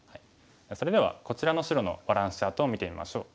それではこちらの白のバランスチャートを見てみましょう。